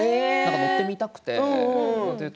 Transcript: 乗ってみたくて。